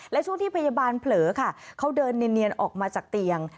และช่วงที่พยาบาลเผลอค่ะเขาเดินเนียนออกมาจากเตียง